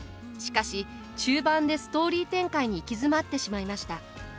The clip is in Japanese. しかし中盤でストーリー展開に行き詰まってしまいました。